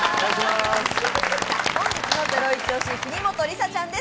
本日のゼロイチ推し国本梨紗ちゃんです。